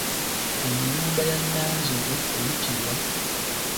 Ennyumba ya Nnanzigu eyitibwa